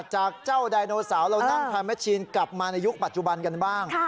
จากเจ้าไดโนเสาร์เรานั่งพายแมชชีนกลับมาในยุคปัจจุบันกันบ้าง